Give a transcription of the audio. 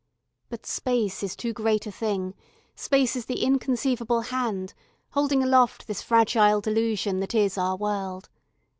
But space is too great a thing, space is the inconceivable Hand, holding aloft this fragile delusion that is our world.